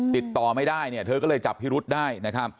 ติดต่อไม่ได้เธอก็เลยจับพี่รุษได้